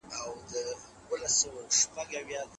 ده ومنله چې هوږه ګټې لري.